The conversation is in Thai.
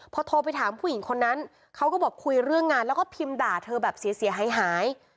พอโทรไปถามผู้หญิงคนนั้นเขาก็บอกคุยเรื่องงานแล้วก็พิมพ์ด่าเธอแบบเสียหาย